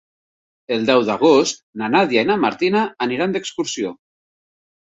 El deu d'agost na Nàdia i na Martina aniran d'excursió.